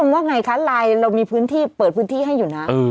ลายเรามีพื้นที่เปิดพื้นที่ให้อยู่นะ